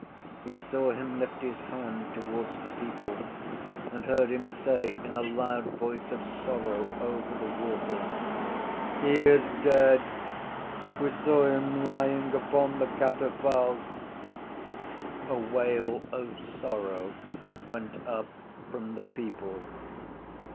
He saw him lift his hand towards the people and heard him say in a loud voice of sorrow over the waters: —He is dead. We saw him lying upon the catafalque. A wail of sorrow went up from the people.